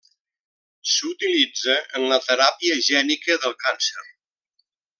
S'utilitza en la teràpia gènica del càncer.